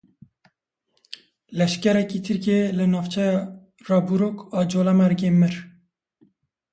Leşkerekî Tirkiyê li navçeya Rûbarûk a Colemêrgê mir.